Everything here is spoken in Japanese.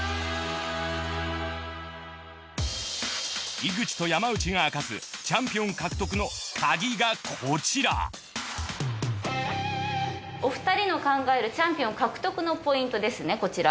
井口と山内が明かすチャンピオン獲得のカギがこちらお二人の考えるチャンピオン獲得のポイントですねこちら。